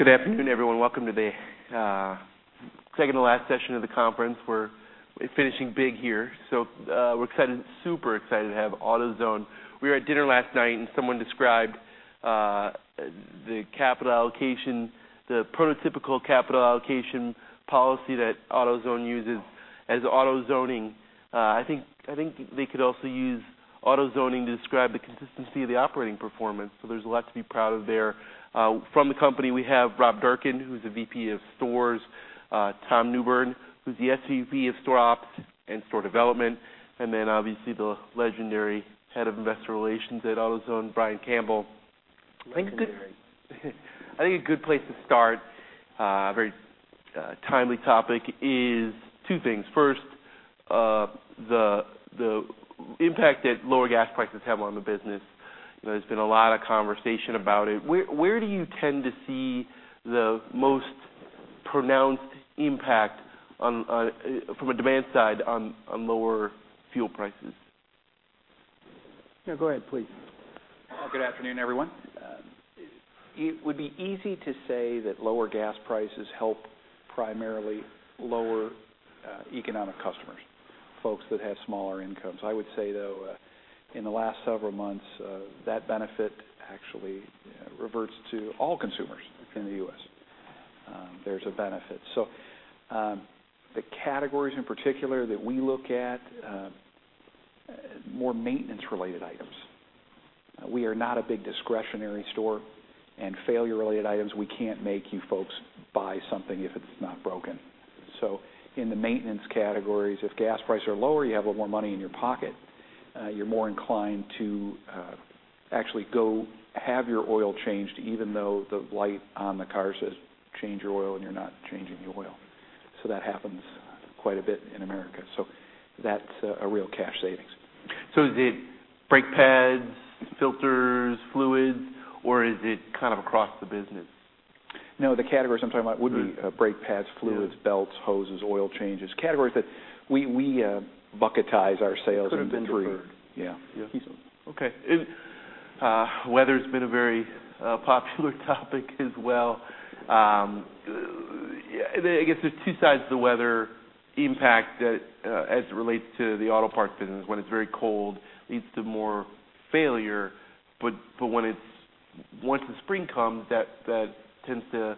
Good afternoon, everyone. Welcome to the second to last session of the conference. We're finishing big here. We're super excited to have AutoZone. We were at dinner last night, and someone described the prototypical capital allocation policy that AutoZone uses as AutoZoning. I think they could also use AutoZoning to describe the consistency of the operating performance, there's a lot to be proud of there. From the company, we have Rob Durkin, who's the VP of stores, Tom Newbern, who's the SVP of store ops and store development, the legendary head of investor relations at AutoZone, Brian Campbell. Legendary. I think a good place to start, a very timely topic, is two things. First, the impact that lower gas prices have on the business. There's been a lot of conversation about it. Where do you tend to see the most pronounced impact from a demand side on lower fuel prices? No, go ahead, please. Good afternoon, everyone. It would be easy to say that lower gas prices help primarily lower economic customers, folks that have smaller incomes. I would say, though, in the last several months, that benefit actually reverts to all consumers in the U.S. There's a benefit. The categories in particular that we look at, more maintenance-related items. We are not a big discretionary store, failure-related items, we can't make you folks buy something if it's not broken. In the maintenance categories, if gas prices are lower, you have a little more money in your pocket. You're more inclined to actually go have your oil changed, even though the light on the car says, "Change your oil," and you're not changing your oil. That happens quite a bit in America. That's a real cash savings. Is it brake pads, filters, fluids, or is it kind of across the business? The categories I'm talking about would be brake pads, fluids, belts, hoses, oil changes, categories that we bucketize our sales into three. Could've been deferred. Yeah. Weather's been a very popular topic as well. I guess there's two sides to the weather impact as it relates to the auto parts business. When it's very cold, it leads to more failure, but once the spring comes, that tends to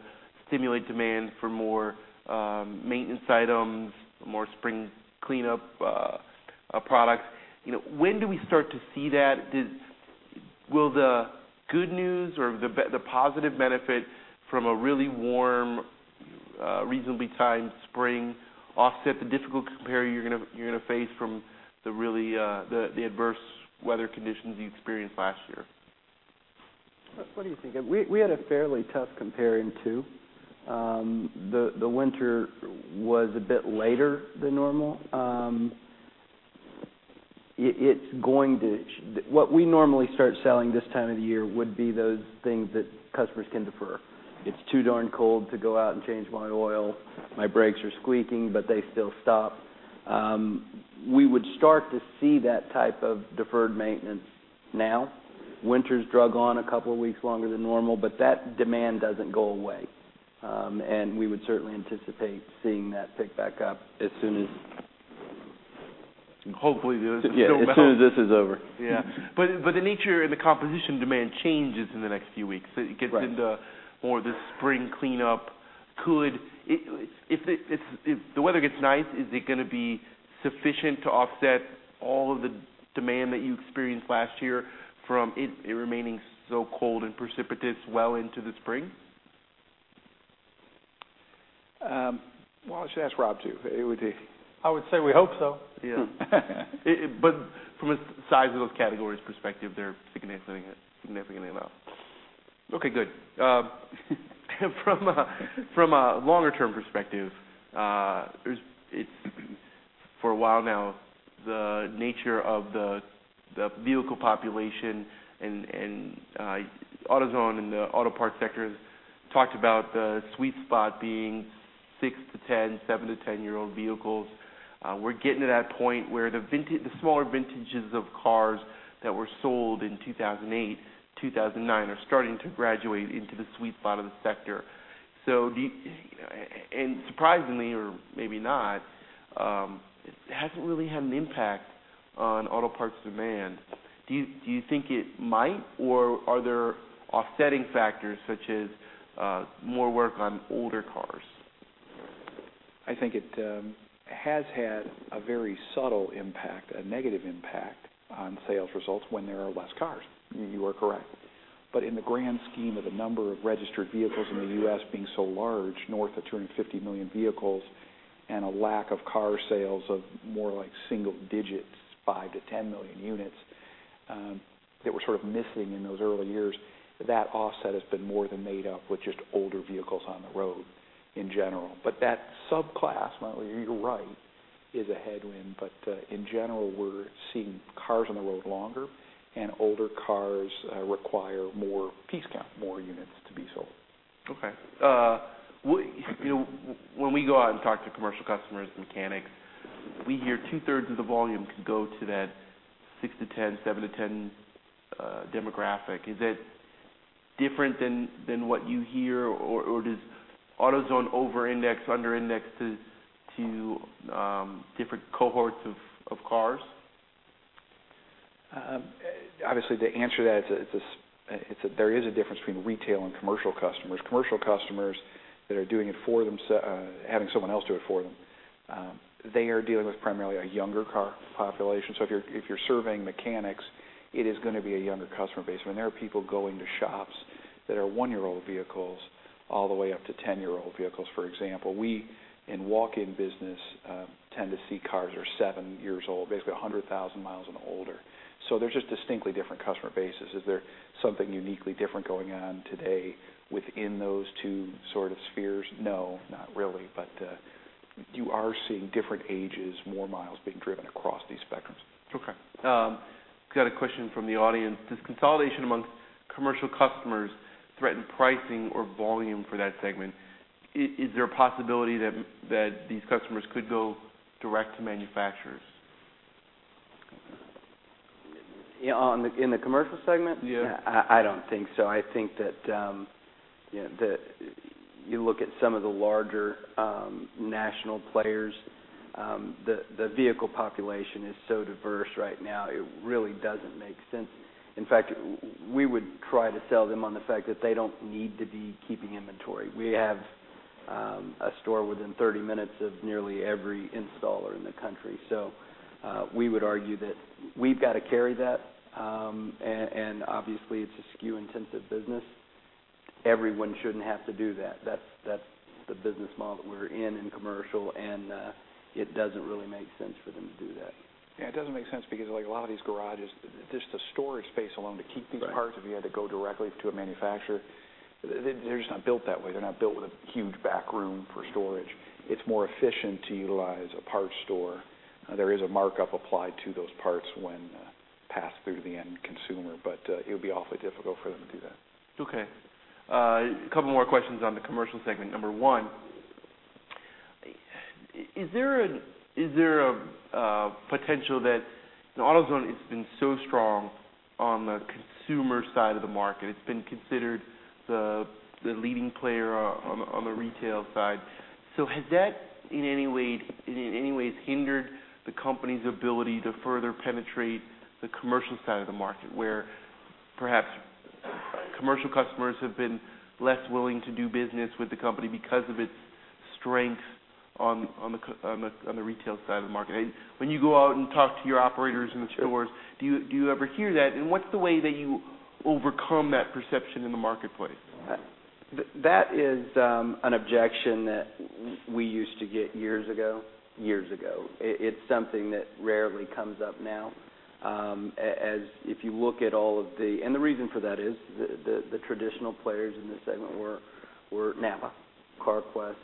stimulate demand for more maintenance items, more spring cleanup products. When do we start to see that? Will the good news or the positive benefit from a really warm, reasonably timed spring offset the difficult compare you're going to face from the adverse weather conditions you experienced last year? What do you think? We had a fairly tough comparing, too. The winter was a bit later than normal. What we normally start selling this time of the year would be those things that customers can defer. It's too darn cold to go out and change my oil. My brakes are squeaking, but they still stop. We would start to see that type of deferred maintenance now. Winter's drug on a couple of weeks longer than normal, but that demand doesn't go away. We would certainly anticipate seeing that pick back up as soon as Hopefully, the snow melts. Yeah, as soon as this is over. Yeah. The nature and the composition demand changes in the next few weeks. Right. It gets into more the spring cleanup. If the weather gets nice, is it going to be sufficient to offset all of the demand that you experienced last year from it remaining so cold and precipitous well into the spring? Well, I should ask Rob, too. I would say we hope so. Yeah. From a size of those categories perspective, they're significant enough. Okay, good. From a longer-term perspective, for a while now, the nature of the vehicle population and AutoZone and the auto parts sector talked about the sweet spot being 6-10, 7-10-year-old vehicles. We're getting to that point where the smaller vintages of cars that were sold in 2008, 2009 are starting to graduate into the sweet spot of the sector. Surprisingly, or maybe not, it hasn't really had an impact on auto parts demand. Do you think it might, or are there offsetting factors such as more work on older cars? I think it has had a very subtle impact, a negative impact, on sales results when there are less cars. You are correct. In the grand scheme of the number of registered vehicles in the U.S. being so large, north of 250 million vehicles, and a lack of car sales of more like single digits, 5 to 10 million units, that were sort of missing in those early years, that offset has been more than made up with just older vehicles on the road in general. That subclass, you're right, is a headwind, in general, we're seeing cars on the road longer, and older cars require more piece count, more units to be sold. Okay. When we go out and talk to commercial customers, mechanics, we hear two-thirds of the volume could go to that 6 to 10, 7 to 10 demographic. Is it different than what you hear or does AutoZone over-index, under-index to different cohorts of cars? Obviously, to answer that, there is a difference between retail and commercial customers. Commercial customers that are having someone else do it for them, they are dealing with primarily a younger car population. If you're surveying mechanics, it is going to be a younger customer base. When there are people going to shops that are one-year-old vehicles all the way up to 10-year-old vehicles, for example, we, in walk-in business, tend to see cars that are seven years old, basically 100,000 miles and older. They're just distinctly different customer bases. Is there something uniquely different going on today within those two sort of spheres? No, not really. You are seeing different ages, more miles being driven across these spectrums. Okay. Got a question from the audience. Does consolidation amongst commercial customers threaten pricing or volume for that segment? Is there a possibility that these customers could go direct to manufacturers? In the commercial segment? Yeah. I don't think so. I think that you look at some of the larger national players, the vehicle population is so diverse right now, it really doesn't make sense. In fact, we would try to sell them on the fact that they don't need to be keeping inventory. We have a store within 30 minutes of nearly every installer in the country. We would argue that we've got to carry that, and obviously it's a SKU-intensive business. Everyone shouldn't have to do that. That's the business model that we're in commercial, and it doesn't really make sense for them to do that. Yeah, it doesn't make sense because a lot of these garages, just the storage space alone to keep these parts. Right If you had to go directly to a manufacturer, they're just not built that way. They're not built with a huge back room for storage. It's more efficient to utilize a parts store. There is a markup applied to those parts when passed through to the end consumer, it would be awfully difficult for them to do that. Okay. A couple more questions on the commercial segment. Number one, is there a potential that AutoZone has been so strong on the consumer side of the market. It's been considered the leading player on the retail side. Has that, in any way, hindered the company's ability to further penetrate the commercial side of the market, where perhaps commercial customers have been less willing to do business with the company because of its strength on the retail side of the market? When you go out and talk to your operators in the stores, do you ever hear that, and what's the way that you overcome that perception in the marketplace? That is an objection that we used to get years ago. It's something that rarely comes up now. The reason for that is the traditional players in this segment were NAPA, Carquest,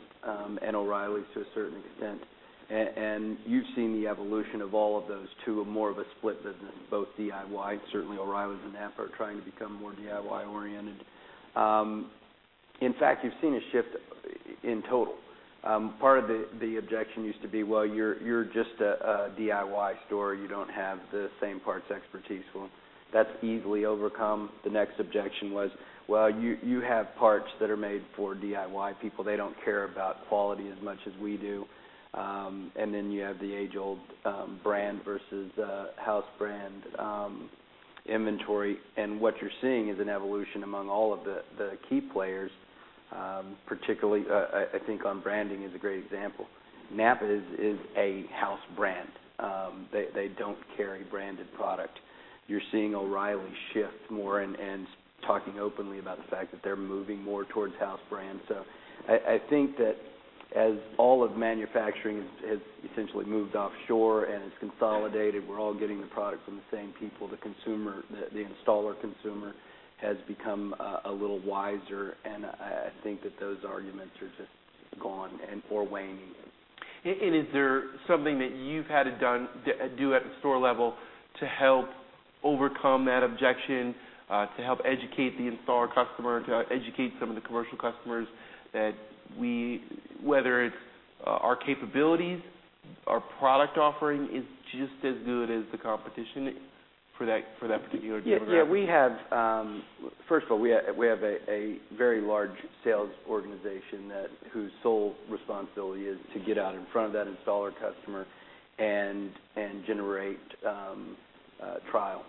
and O'Reilly's to a certain extent. You've seen the evolution of all of those to a more of a split business, both DIY. Certainly, O'Reilly's and NAPA are trying to become more DIY-oriented. In fact, you've seen a shift in total. Part of the objection used to be, "Well, you're just a DIY store. You don't have the same parts expertise." Well, that's easily overcome. The next objection was, "Well, you have parts that are made for DIY people. They don't care about quality as much as we do." Then you have the age-old brand versus house brand inventory. What you're seeing is an evolution among all of the key players, particularly, I think, on branding is a great example. NAPA is a house brand. They don't carry branded product. You're seeing O'Reilly shift more and talking openly about the fact that they're moving more towards house brands. I think that as all of manufacturing has essentially moved offshore and is consolidated, we're all getting the product from the same people. The installer consumer has become a little wiser, and I think that those arguments are just gone or waning. Is there something that you've had to do at the store level to help overcome that objection, to help educate the installer customer, to educate some of the commercial customers that whether it's our capabilities, our product offering is just as good as the competition for that particular demographic? Yeah. First of all, we have a very large sales organization whose sole responsibility is to get out in front of that installer customer and generate trial.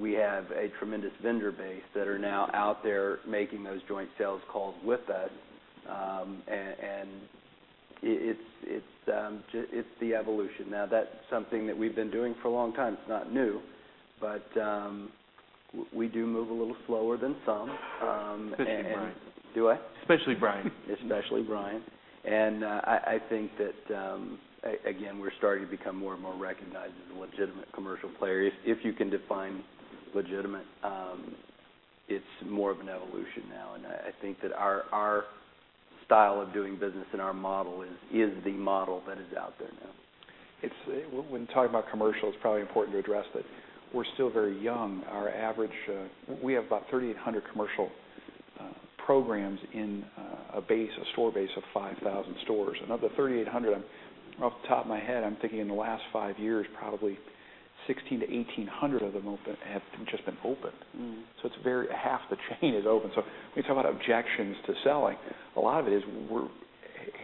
We have a tremendous vendor base that are now out there making those joint sales calls with us, and it's the evolution. That's something that we've been doing for a long time. It's not new, but we do move a little slower than some. Especially Brian. Do I? Especially Brian. Especially Brian. I think that, again, we're starting to become more and more recognized as a legitimate commercial player. If you can define legitimate, it's more of an evolution now. I think that our style of doing business and our model is the model that is out there now. When talking about commercial, it's probably important to address that we're still very young. We have about 3,800 commercial programs in a store base of 5,000 stores. Of the 3,800, off the top of my head, I'm thinking in the last five years, probably 1,600-1,800 of them have just been opened. Half the chain is open. When you talk about objections to selling, a lot of it is,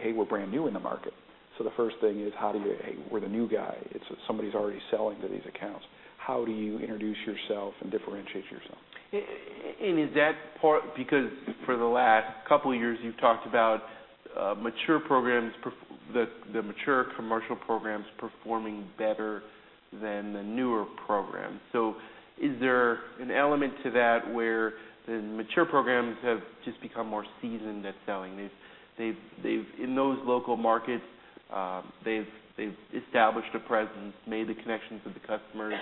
hey, we're brand new in the market. The first thing is we're the new guy. Somebody's already selling to these accounts. How do you introduce yourself and differentiate yourself? Is that part because for the last couple of years, you've talked about the mature commercial programs performing better than the newer programs. Is there an element to that where the mature programs have just become more seasoned at selling? In those local markets, they've established a presence, made the connections with the customers.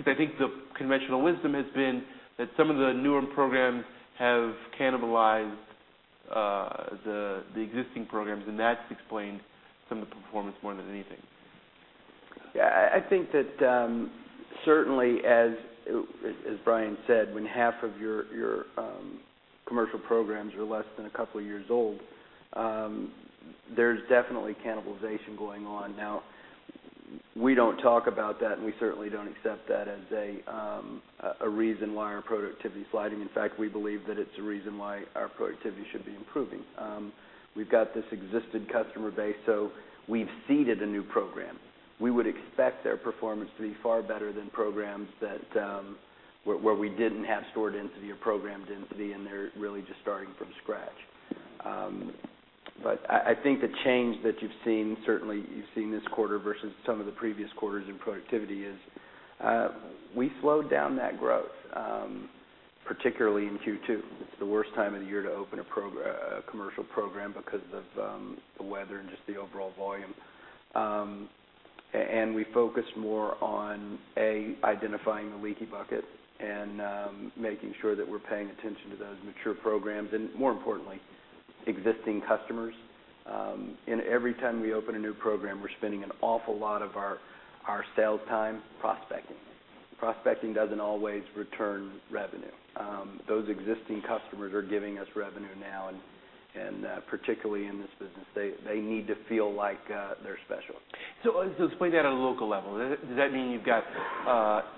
I think the conventional wisdom has been that some of the newer programs have cannibalized the existing programs, and that's explained some of the performance more than anything. Yeah. I think that certainly, as Brian said, when half of your commercial programs are less than a couple of years old, there's definitely cannibalization going on. We don't talk about that, and we certainly don't accept that as a reason why our productivity is sliding. In fact, we believe that it's a reason why our productivity should be improving. We've got this existing customer base, we've seeded a new program. We would expect their performance to be far better than programs where we didn't have store density or program density, and they're really just starting from scratch. I think the change that you've seen, certainly you've seen this quarter versus some of the previous quarters in productivity, is we slowed down that growth, particularly in Q2. It's the worst time of the year to open a commercial program because of the weather and just the overall volume. We focus more on, A, identifying the leaky bucket and making sure that we're paying attention to those mature programs and, more importantly, existing customers. Every time we open a new program, we're spending an awful lot of our sales time prospecting. Prospecting doesn't always return revenue. Those existing customers are giving us revenue now, and particularly in this business, they need to feel like they're special. Explain that on a local level. Does that mean you've got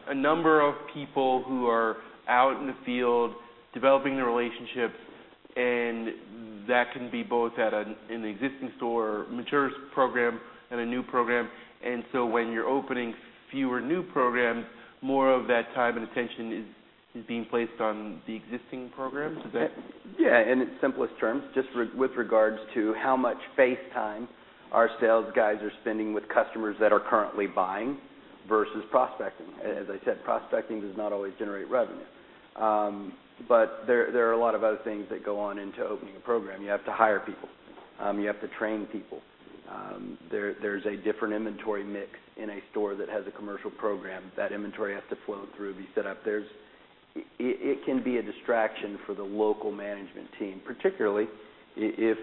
a number of people who are out in the field developing the relationships, and that can be both in the existing store, mature program, and a new program, and when you're opening fewer new programs, more of that time and attention is being placed on the existing programs? Yeah, in its simplest terms, just with regards to how much face time our sales guys are spending with customers that are currently buying versus prospecting. As I said, prospecting does not always generate revenue. There are a lot of other things that go on into opening a program. You have to hire people. You have to train people. There's a different inventory mix in a store that has a commercial program. That inventory has to flow through, be set up. It can be a distraction for the local management team, particularly if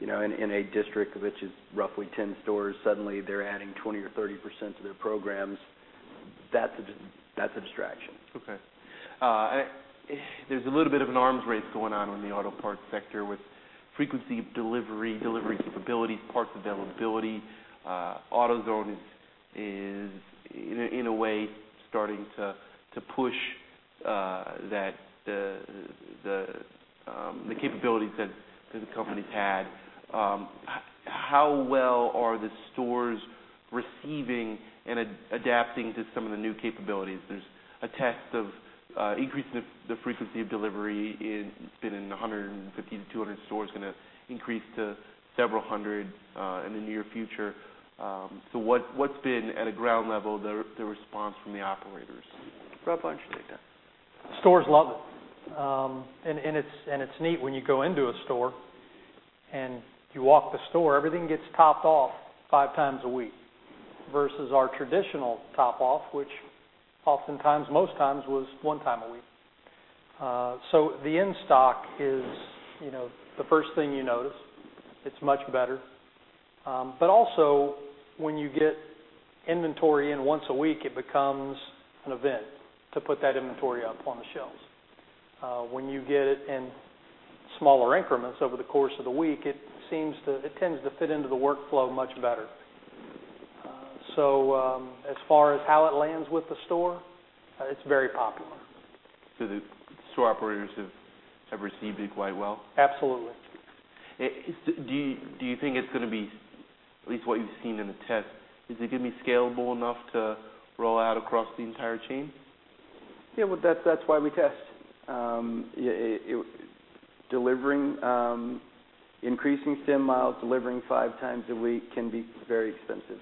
in a district which is roughly 10 stores, suddenly they're adding 20% or 30% to their programs. That's a distraction. Okay. There's a little bit of an arms race going on in the auto parts sector with frequency of delivery capabilities, parts availability. AutoZone is, in a way, starting to push the capabilities that the companies had. How well are the stores receiving and adapting to some of the new capabilities? There's a test of increasing the frequency of delivery. It's been in 150 to 200 stores, going to increase to several hundred in the near future. What's been, at a ground level, the response from the operators? Rob, why don't you take that? Stores love it. It's neat when you go into a store and you walk the store, everything gets topped off five times a week, versus our traditional top off, which oftentimes, most times, was one time a week. The in-stock is the first thing you notice. It's much better. Also when you get inventory in once a week, it becomes an event to put that inventory up on the shelves. When you get it in smaller increments over the course of the week, it tends to fit into the workflow much better. As far as how it lands with the store, it's very popular. The store operators have received it quite well? Absolutely. Do you think it's going to be, at least what you've seen in the test, is it going to be scalable enough to roll out across the entire chain? Yeah, that's why we test. Increasing stem miles, delivering five times a week can be very expensive.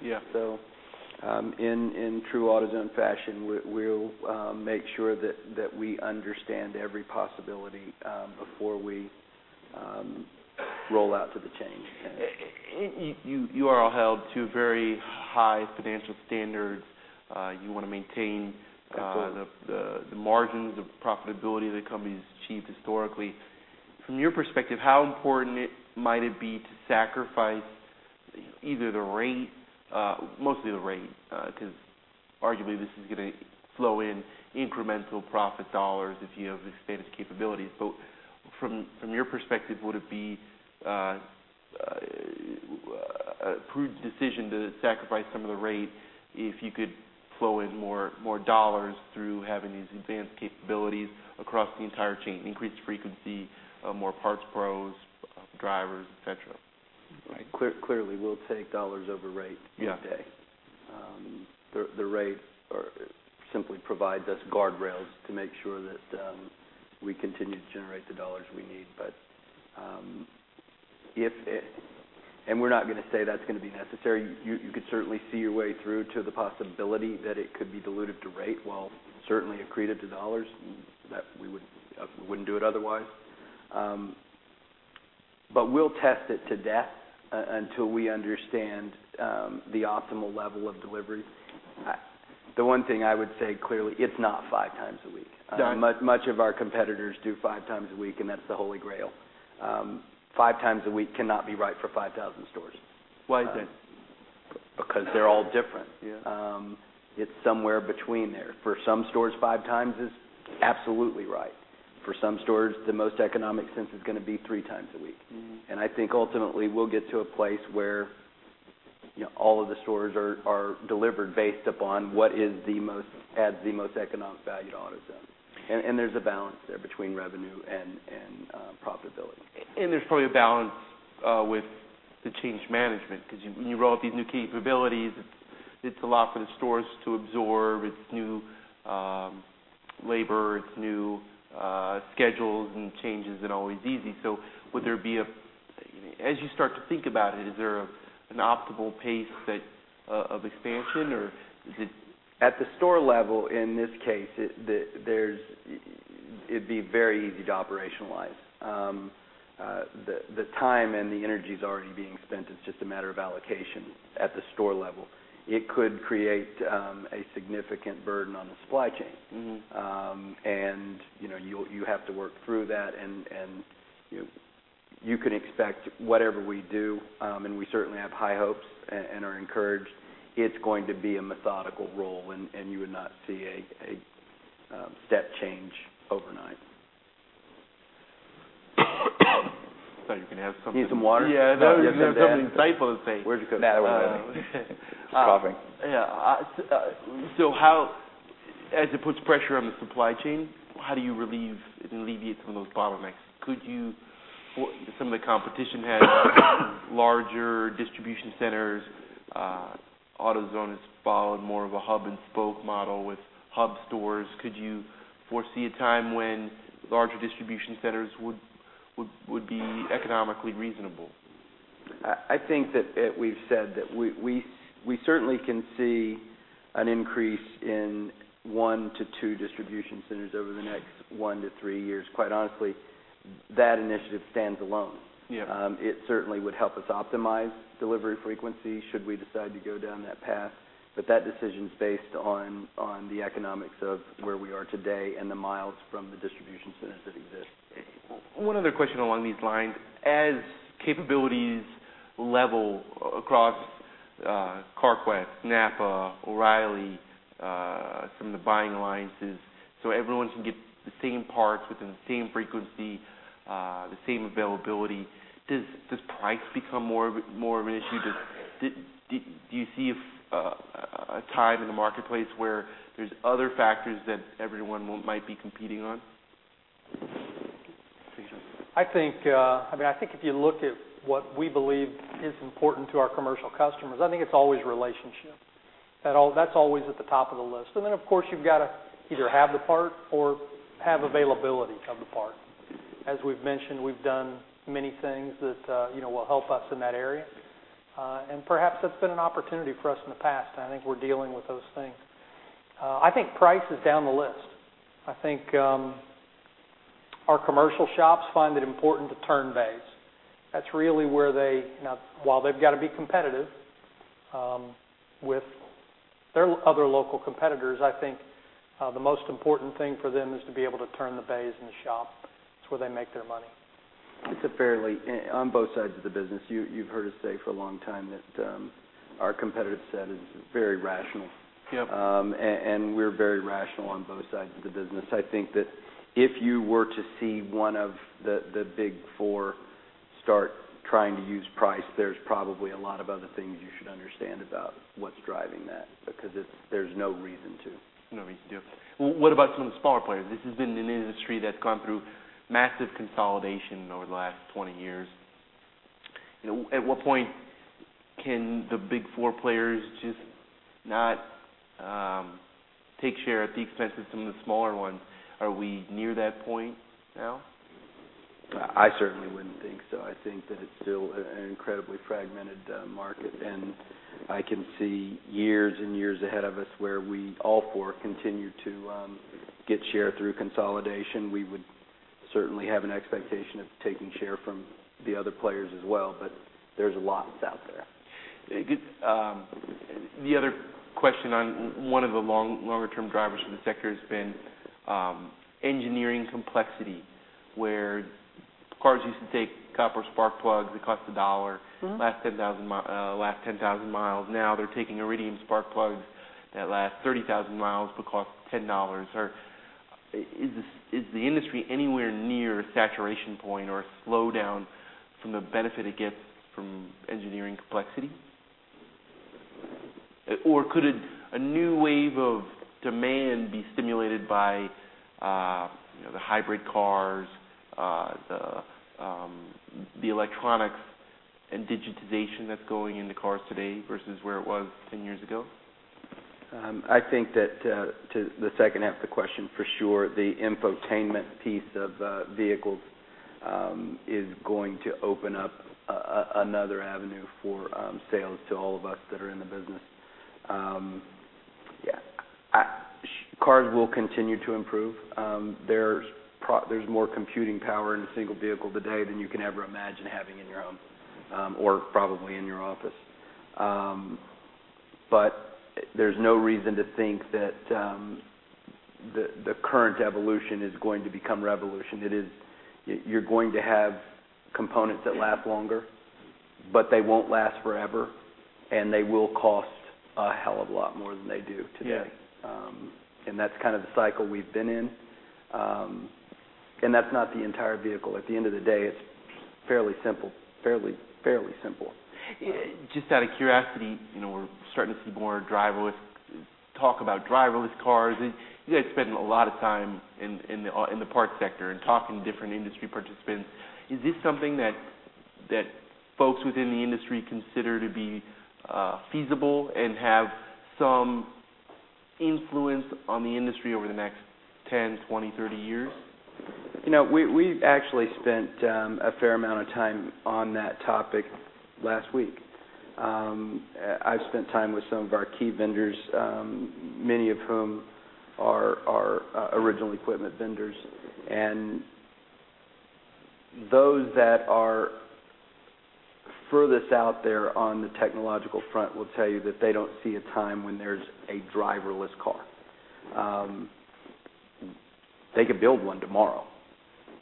Yeah. In true AutoZone fashion, we'll make sure that we understand every possibility before we roll out to the chain. You are all held to very high financial standards. You want to maintain- Of course. the margins, the profitability the company's achieved historically. From your perspective, how important might it be to sacrifice either the rate, mostly the rate, because arguably this is going to flow in incremental profit dollars if you have expanded capabilities. From your perspective, would it be a prudent decision to sacrifice some of the rate if you could flow in more dollars through having these advanced capabilities across the entire chain, increased frequency, more parts pros, drivers, et cetera? Right. Clearly, we'll take dollars over rate any day. Yeah. The rate simply provides us guardrails to make sure that we continue to generate the dollars we need. We're not going to say that's going to be necessary. You could certainly see your way through to the possibility that it could be dilutive to rate, while certainly accretive to dollars. We wouldn't do it otherwise. We'll test it to death, until we understand the optimal level of delivery. The one thing I would say, clearly, it's not five times a week. Done. Much of our competitors do five times a week, and that's the Holy Grail. Five times a week cannot be right for 5,000 stores. Why is that? Because they're all different. Yeah. It's somewhere between there. For some stores, five times is absolutely right. For some stores, the most economic sense is going to be three times a week. I think ultimately we'll get to a place where all of the stores are delivered based upon what adds the most economic value to AutoZone. There's a balance there between revenue and profitability. There's probably a balance with the change management, because when you roll out these new capabilities, it's a lot for the stores to absorb. It's new labor. It's new schedules and changes, and not always easy. As you start to think about it, is there an optimal pace of expansion, or is it? At the store level, in this case, it'd be very easy to operationalize. The time and the energy's already being spent. It's just a matter of allocation at the store level. It could create a significant burden on the supply chain. You have to work through that, and you can expect whatever we do, and we certainly have high hopes and are encouraged, it's going to be a methodical roll and you would not see a step change overnight. Thought you were going to have some. Need some water? Yeah. Thought you were going to have something insightful to say. Where'd you go? No, I was just coughing. As it puts pressure on the supply chain, how do you relieve and alleviate some of those bottlenecks? Some of the competition has larger distribution centers. AutoZone has followed more of a hub and spoke model with hub stores. Could you foresee a time when larger distribution centers would be economically reasonable? I think that we've said that we certainly can see an increase in 1-2 distribution centers over the next 1-3 years. Quite honestly, that initiative stands alone. Yeah. It certainly would help us optimize delivery frequency, should we decide to go down that path. That decision is based on the economics of where we are today and the miles from the distribution centers that exist. One other question along these lines. As capabilities level across Carquest, NAPA, O'Reilly, some of the buying alliances, so everyone can get the same parts within the same frequency, the same availability, does price become more of an issue? Do you see a time in the marketplace where there's other factors that everyone might be competing on? Jason? I think if you look at what we believe is important to our commercial customers, I think it's always relationship. That's always at the top of the list. Then, of course, you've got to either have the part or have availability of the part. As we've mentioned, we've done many things that will help us in that area. Perhaps that's been an opportunity for us in the past, and I think we're dealing with those things. I think price is down the list. I think our commercial shops find it important to turn bays. While they've got to be competitive with their other local competitors, I think the most important thing for them is to be able to turn the bays in the shop. It's where they make their money. On both sides of the business, you've heard us say for a long time that our competitive set is very rational. Yep. We're very rational on both sides of the business. I think that if you were to see one of the Big Four start trying to use price, there's probably a lot of other things you should understand about what's driving that, because there's no reason to. No reason to. What about some of the smaller players? This has been an industry that's gone through massive consolidation over the last 20 years. At what point can the Big Four players just not take share at the expense of some of the smaller ones? Are we near that point now? I certainly wouldn't think so. I think that it's still an incredibly fragmented market. I can see years and years ahead of us where we, all four, continue to get share through consolidation. Certainly have an expectation of taking share from the other players as well. There's lots out there. The other question on one of the longer-term drivers for the sector has been engineering complexity, where cars used to take copper spark plugs that cost $1- last 10,000 miles. Now they're taking iridium spark plugs that last 30,000 miles cost $10. Is the industry anywhere near saturation point or a slowdown from the benefit it gets from engineering complexity? Could a new wave of demand be stimulated by the hybrid cars, the electronics, and digitization that's going into cars today versus where it was 10 years ago? I think that to the second half of the question, for sure, the infotainment piece of vehicles is going to open up another avenue for sales to all of us that are in the business. Cars will continue to improve. There's more computing power in a single vehicle today than you can ever imagine having in your home or probably in your office. There's no reason to think that the current evolution is going to become revolution. You're going to have components that last longer, but they won't last forever, and they will cost a hell of a lot more than they do today. Yeah. That's kind of the cycle we've been in. That's not the entire vehicle. At the end of the day, it's fairly simple. Just out of curiosity, we're starting to see more talk about driverless cars, and you guys spend a lot of time in the parts sector and talking to different industry participants. Is this something that folks within the industry consider to be feasible and have some influence on the industry over the next 10, 20, 30 years? We've actually spent a fair amount of time on that topic last week. I've spent time with some of our key vendors, many of whom are our original equipment vendors. Those that are furthest out there on the technological front will tell you that they don't see a time when there's a driverless car. They could build one tomorrow,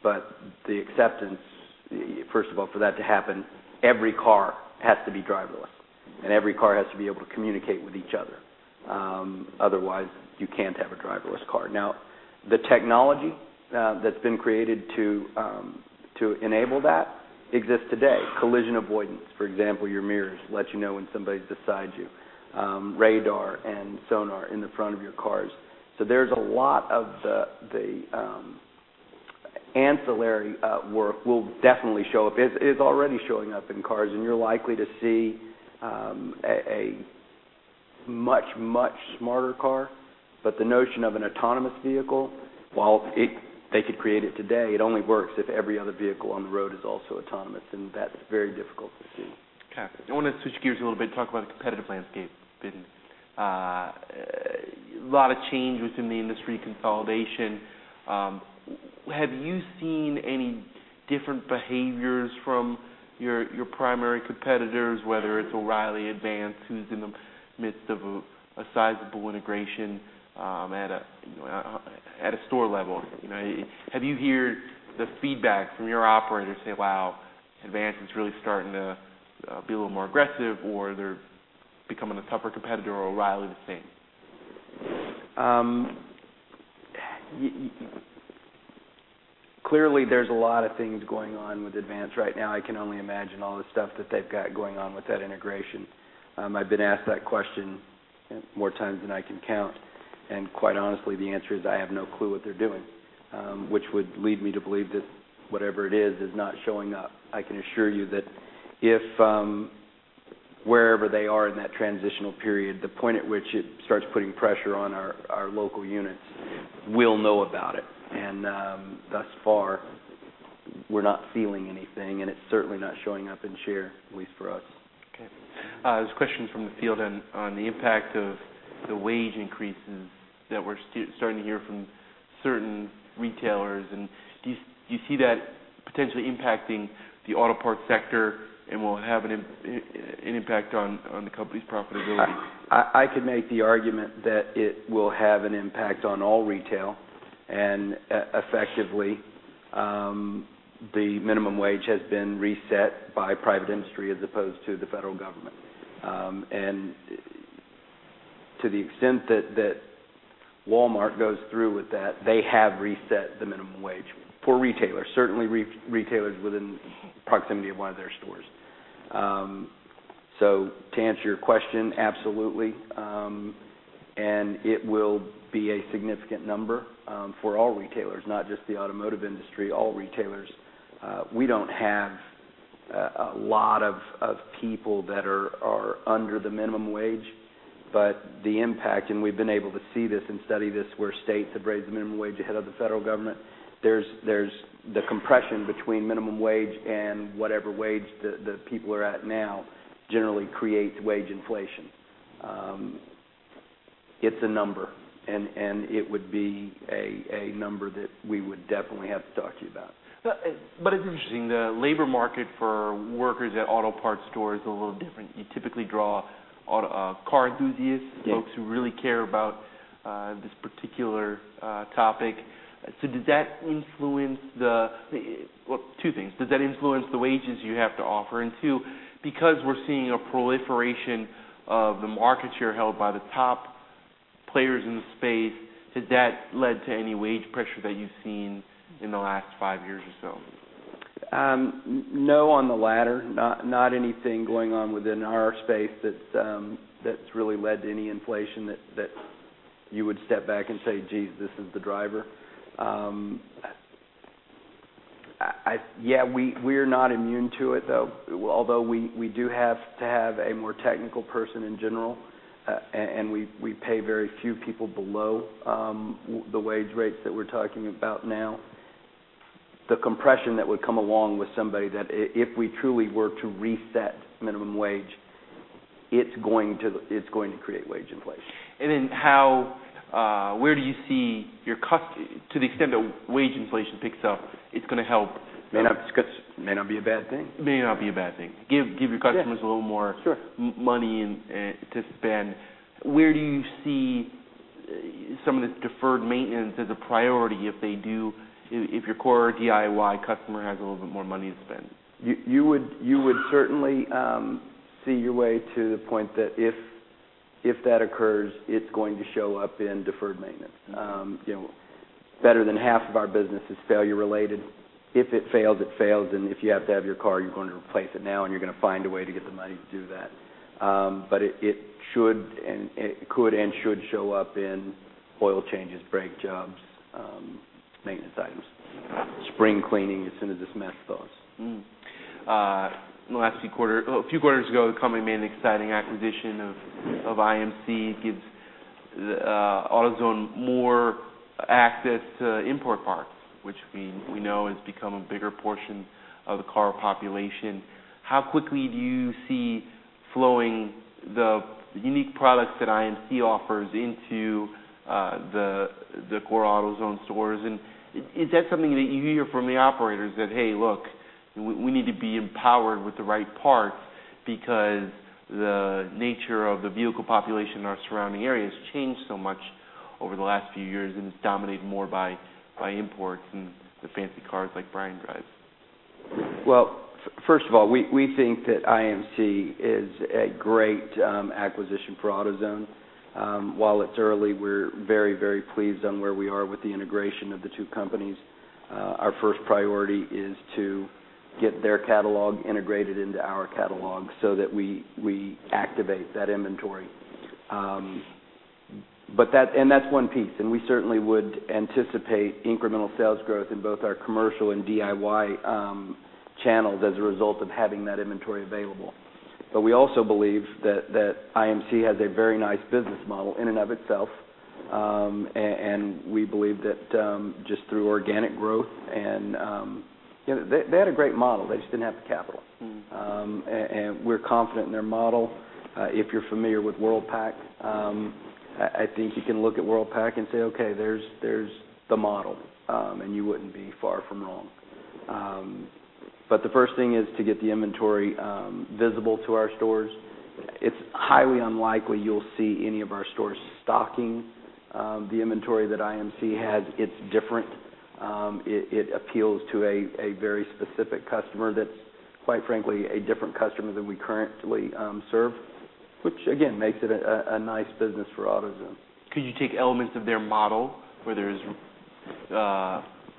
but the acceptance, first of all, for that to happen, every car has to be driverless, and every car has to be able to communicate with each other. Otherwise, you can't have a driverless car. Now, the technology that's been created to enable that exists today. Collision avoidance, for example, your mirrors let you know when somebody's beside you. Radar and sonar in the front of your cars. There's a lot of the ancillary work will definitely show up. It's already showing up in cars, you're likely to see a much smarter car. The notion of an autonomous vehicle, while they could create it today, it only works if every other vehicle on the road is also autonomous, and that's very difficult to see. Okay. I want to switch gears a little bit to talk about the competitive landscape. Been a lot of change within the industry, consolidation. Have you seen any different behaviors from your primary competitors, whether it's O'Reilly, Advance, who's in the midst of a sizable integration at a store level? Have you heard the feedback from your operators say, "Wow, Advance is really starting to be a little more aggressive," or they're becoming a tougher competitor, or O'Reilly the same? Clearly, there's a lot of things going on with Advance right now. I can only imagine all the stuff that they've got going on with that integration. I've been asked that question more times than I can count, quite honestly, the answer is I have no clue what they're doing, which would lead me to believe that whatever it is not showing up. I can assure you that if wherever they are in that transitional period, the point at which it starts putting pressure on our local units, we'll know about it. Thus far, we're not feeling anything, it's certainly not showing up in share, at least for us. Okay. There's a question from the field on the impact of the wage increases that we're starting to hear from certain retailers. Do you see that potentially impacting the auto parts sector and will it have an impact on the company's profitability? I could make the argument that it will have an impact on all retail, effectively, the minimum wage has been reset by private industry as opposed to the federal government. To the extent that Walmart goes through with that, they have reset the minimum wage for retailers, certainly retailers within proximity of one of their stores. To answer your question, absolutely. It will be a significant number for all retailers, not just the automotive industry, all retailers. We don't have a lot of people that are under the minimum wage, but the impact, and we've been able to see this and study this, where states have raised the minimum wage ahead of the federal government. There's the compression between minimum wage and whatever wage the people are at now generally creates wage inflation. It's a number, it would be a number that we would definitely have to talk to you about. It's interesting, the labor market for workers at auto parts stores is a little different. You typically draw car enthusiasts. Yeah folks who really care about this particular topic. Did that influence Well, two things. Does that influence the wages you have to offer? Two, because we're seeing a proliferation of the market share held by the top players in the space, has that led to any wage pressure that you've seen in the last five years or so? No, on the latter, not anything going on within our space that's really led to any inflation that you would step back and say, "Geez, this is the driver." Yeah, we are not immune to it, though. Although we do have to have a more technical person in general, and we pay very few people below the wage rates that we're talking about now. The compression that would come along with somebody that if we truly were to reset minimum wage, it's going to create wage inflation. Where do you see your cost, to the extent that wage inflation picks up, it's going to help- May not be a bad thing. May not be a bad thing. Give your customers- Yeah a little more- Sure money to spend. Where do you see some of this deferred maintenance as a priority if your core DIY customer has a little bit more money to spend? You would certainly see your way to the point that if that occurs, it's going to show up in deferred maintenance. Better than half of our business is failure-related. If it fails, it fails, and if you have to have your car, you're going to replace it now, and you're going to find a way to get the money to do that. It could and should show up in oil changes, brake jobs, maintenance items, spring cleaning as soon as this mess goes. A few quarters ago, the company made an exciting acquisition of IMC. It gives AutoZone more access to import parts, which we know has become a bigger portion of the car population. How quickly do you see flowing the unique products that IMC offers into the core AutoZone stores? Is that something that you hear from the operators that, hey, look, we need to be empowered with the right parts because the nature of the vehicle population in our surrounding area has changed so much over the last few years and is dominated more by imports and the fancy cars like Brian drives? First of all, we think that IMC is a great acquisition for AutoZone. While it's early, we're very pleased on where we are with the integration of the two companies. Our first priority is to get their catalog integrated into our catalog so that we activate that inventory. That's one piece, and we certainly would anticipate incremental sales growth in both our commercial and DIY channels as a result of having that inventory available. We also believe that IMC has a very nice business model in and of itself. We believe that just through organic growth. They had a great model. They just didn't have the capital. We're confident in their model. If you're familiar with Worldpac, I think you can look at Worldpac and say, "Okay, there's the model," and you wouldn't be far from wrong. The first thing is to get the inventory visible to our stores. It's highly unlikely you'll see any of our stores stocking the inventory that IMC has. It's different. It appeals to a very specific customer that's, quite frankly, a different customer than we currently serve, which again, makes it a nice business for AutoZone. Could you take elements of their model where there's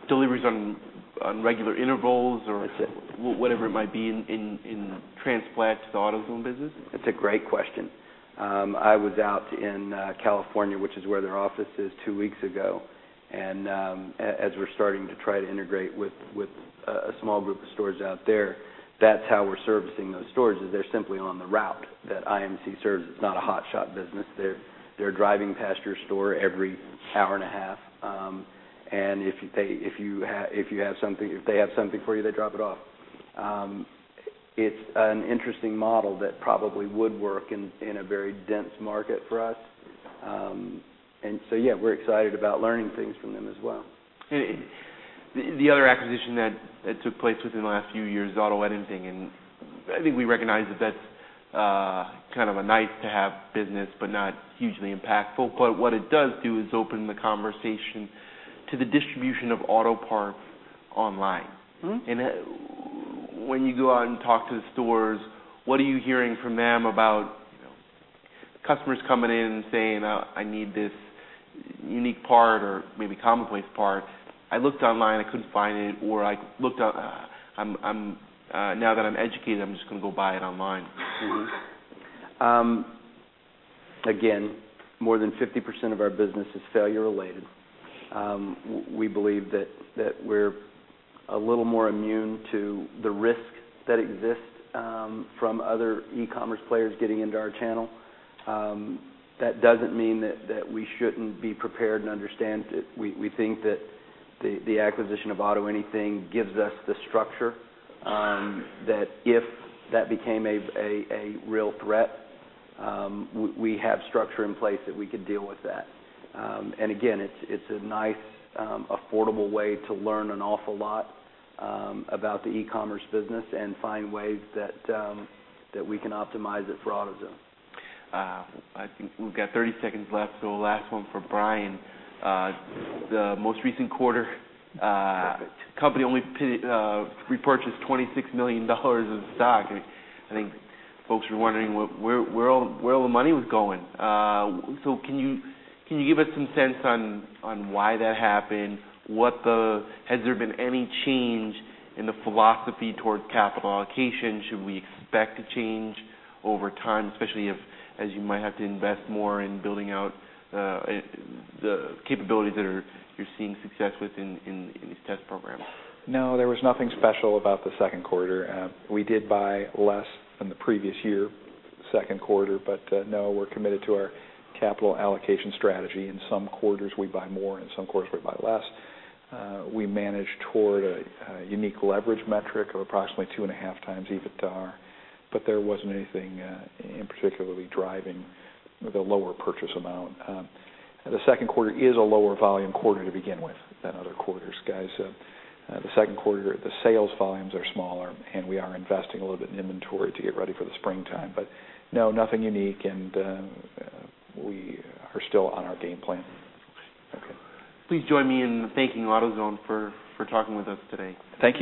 deliveries on regular intervals? That's it. whatever it might be in transplant to the AutoZone business? That's a great question. I was out in California, which is where their office is, two weeks ago, as we're starting to try to integrate with a small group of stores out there, that's how we're servicing those stores, is they're simply on the route that IMC serves. It's not a hotshot business. They're driving past your store every hour and a half, and if they have something for you, they drop it off. It's an interesting model that probably would work in a very dense market for us. So yeah, we're excited about learning things from them as well. The other acquisition that took place within the last few years is AutoAnything. I think we recognize that that's kind of a nice to have business, not hugely impactful. What it does do is open the conversation to the distribution of auto parts online. When you go out and talk to the stores, what are you hearing from them about customers coming in and saying, "I need this unique part or maybe commonplace part. I looked online, I couldn't find it," or, "Now that I'm educated, I'm just going to go buy it online. Again, more than 50% of our business is failure related. We believe that we're a little more immune to the risk that exists from other e-commerce players getting into our channel. That doesn't mean that we shouldn't be prepared and understand that we think that the acquisition of AutoAnything gives us the structure that if that became a real threat, we have structure in place that we could deal with that. Again, it's a nice, affordable way to learn an awful lot about the e-commerce business and find ways that we can optimize it for AutoZone. I think we've got 30 seconds left, last one for Brian. The most recent quarter, company only repurchased $26 million of stock. I think folks were wondering where all the money was going. Can you give us some sense on why that happened? Has there been any change in the philosophy towards capital allocation? Should we expect a change over time, especially as you might have to invest more in building out the capabilities that you're seeing success with in these test programs? There was nothing special about the second quarter. We did buy less than the previous year, second quarter, we're committed to our capital allocation strategy. In some quarters, we buy more, in some quarters, we buy less. We manage toward a unique leverage metric of approximately two and a half times EBITDA, there wasn't anything in particularly driving the lower purchase amount. The second quarter is a lower volume quarter to begin with than other quarters, guys. The second quarter, the sales volumes are smaller, we are investing a little bit in inventory to get ready for the springtime. Nothing unique, and we are still on our game plan. Okay. Please join me in thanking AutoZone for talking with us today. Thank you.